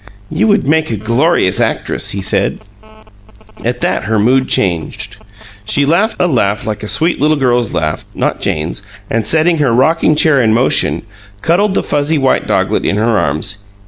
"You would make a glorious actress!" he said. At that her mood changed. She laughed a laugh like a sweet little girl's laugh (not Jane's) and, setting her rocking chair in motion, cuddled the fuzzy white doglet in her arms.